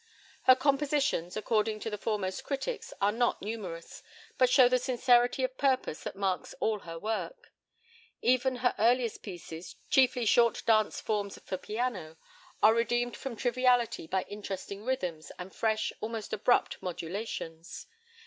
Her compositions, according to the foremost critics, are not numerous, but show the sincerity of purpose that marks all her work. Even her earliest pieces, chiefly short dance forms for piano, are redeemed from triviality by interesting rhythms and fresh, almost abrupt, modulations.